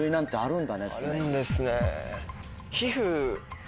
あるんですね。